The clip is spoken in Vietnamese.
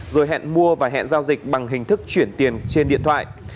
rồi hẹn mua và hẹn giao dịch bằng hình thức chuyển tiền trên điện thoại